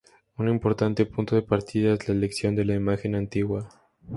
Un importante punto de partida es la elección de la imagen antigua.